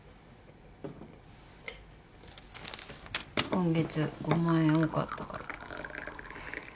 今月５万円多かったから。